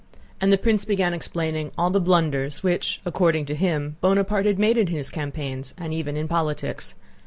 And the prince began explaining all the blunders which, according to him, Bonaparte had made in his campaigns and even in politics.